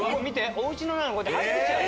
おうちの中にこうやって入ってきちゃう。